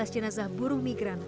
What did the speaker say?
lima belas jenazah burung migran